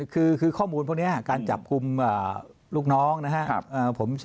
คือข้อมูลพวกนี้การจับกลุ่มลูกน้องนะครับ